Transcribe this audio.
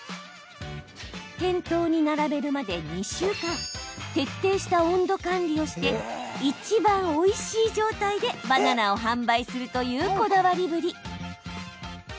店頭に並べるまで２週間徹底した温度管理をしていちばんおいしい状態でバナナを販売するというこだわりぶり。